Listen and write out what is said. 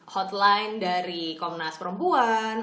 hotline dari komnas perempuan